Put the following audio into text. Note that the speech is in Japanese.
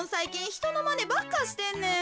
ひとのまねばっかしてんねん。